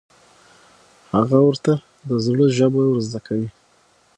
هغه ورته د زړه ژبه ور زده کوي.